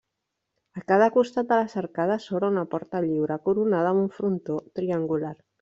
A cada costat de les arcades s'obre una porta lliure, coronada amb un frontó triangular.